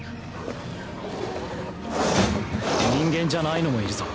人間じゃないのもいるぞ。